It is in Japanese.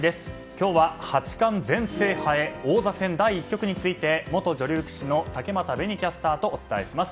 今日は、八冠全制覇へ王座戦第１局について元女流棋士の竹俣紅キャスターとお伝えします。